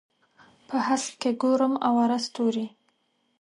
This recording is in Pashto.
په هسک کې ګورم اواره ستوري